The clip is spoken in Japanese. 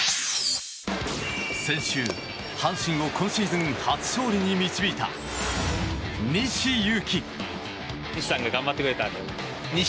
先週、阪神を今シーズン初勝利に導いた西勇輝。